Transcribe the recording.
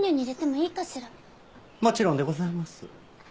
もちろんでございます。